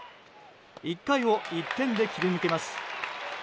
１回を１点で切り抜けます。